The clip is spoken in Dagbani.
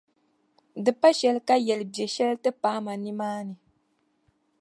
di pa shɛli ka yɛlibiɛ’ shɛli ti paai ma nimaani.